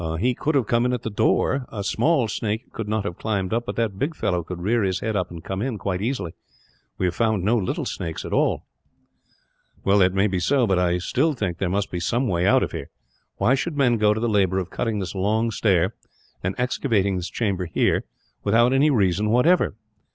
"He could have come in at the door, master. A small snake could not have climbed up, but that big fellow could rear his head up and come in, quite easily. We have found no little snakes at all." "Well, that may be so, but I still think that there must be some way out from here. Why should men go to the labour of cutting this long stair, and excavating this chamber here, without any reason whatever?